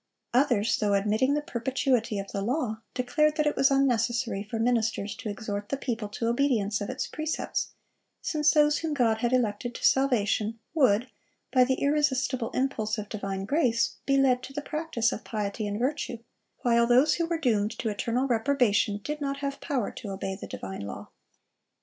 Others, though admitting the perpetuity of the law, declared that it was unnecessary for ministers to exhort the people to obedience of its precepts, since those whom God had elected to salvation would, "by the irresistible impulse of divine grace, be led to the practice of piety and virtue," while those who were doomed to eternal reprobation "did not have power to obey the divine law."